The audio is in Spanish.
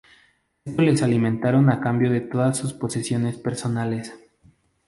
Estos les alimentaron a cambio de todas sus posesiones personales.